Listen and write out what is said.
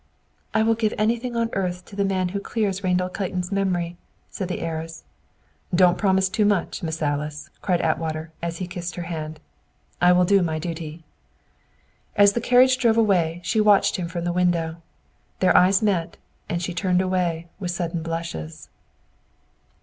"I will give anything on earth to the man who clears Randall Clayton's memory," said the heiress. "Don't promise too much, Miss Alice," cried Atwater, as he kissed her hand. "I will do my duty!" As the carriage drove away, she watched him from the window. Their eyes met, and she turned away, with sudden blushes.